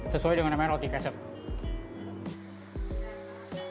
sesuai dengan namanya roti cassep